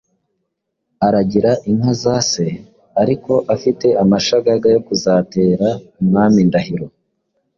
aragira inka za se ariko afite amashagaga yo kuzatera Umwami Ndahiro